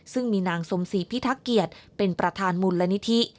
ซึ่งมีนางสมศรีพิทักเกียรติเป็นประธานมูลนิธิ